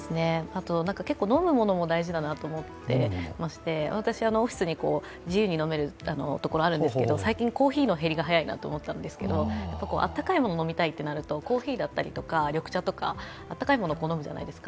結構飲むものも大事だなと思っていまして、私、オフィスに自由に飲めるところがあるんですけど最近、コーヒーの減りが早いなと思ったんですけど、あったかいものを飲みたいとなると、コーヒーとか緑茶とか、あったかいものを好むじゃないですか。